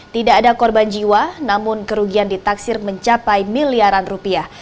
tidak ada korban jiwa namun kerugian ditaksir mencapai miliaran rupiah